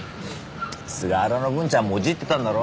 菅原の文ちゃんもじってたんだろ。